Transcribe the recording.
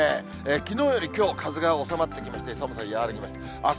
きのうよりきょう、風が収まってきまして、寒さ和らぎます。